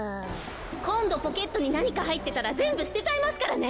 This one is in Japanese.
こんどポケットになにかはいってたらぜんぶすてちゃいますからね！